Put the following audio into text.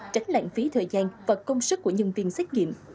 tránh lãng phí thời gian và công sức của nhân viên xét nghiệm